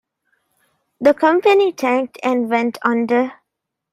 The company tanked and went under.